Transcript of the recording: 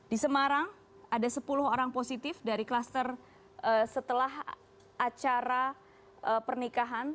di semarang ada sepuluh orang positif dari kluster setelah acara pernikahan